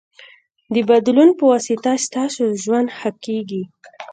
د بدلون پواسطه ستاسو ژوند ښه کېږي.